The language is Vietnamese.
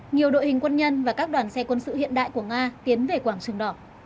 nhiều đội hình quân nhân và các đoàn xe quân sự hiện đại của nga tiến về quảng trường đỏ